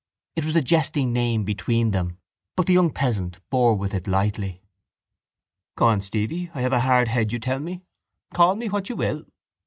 It was a jesting name between them, but the young peasant bore with it lightly: —Go on, Stevie, I have a hard head, you tell me. Call me what you will.